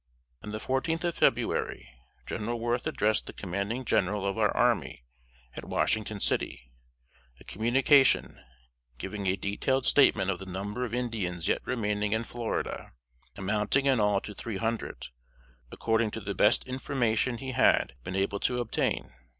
On the fourteenth of February, General Worth addressed the Commanding General of our army, at Washington City, a communication, giving a detailed statement of the number of Indians yet remaining in Florida amounting in all to three hundred, according to the best information he had been able to obtain.